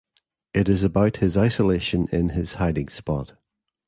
It is about his isolation in his hiding spot.